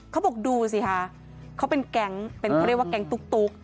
เขาบอกดูสิคะเขาเป็นแก๊งเป็นเขาเรียกว่าแก๊งตุ๊ก